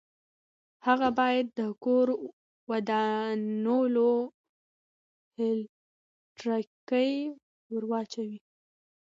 هغه باید د کور ودانولو هتکړۍ ورواچوي.